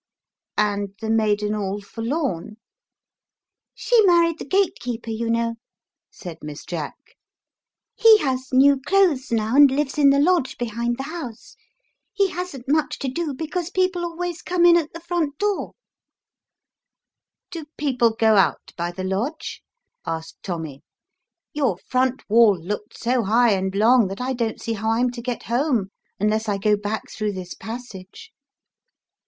And the maiden all forlorn?" " She married the gatekeeper, you know," said Miss Jack. " He has new clothes now, and lives in the lodge behind the house. He hasn't much to do, because people always come in at the front door." " Do people go out by the lodge?" asked Tommy; "your front wall looked so high and long that I don't see how I'm to get home, 58 A sausage in the mouth is worth two on the table. unless I go back through this passage."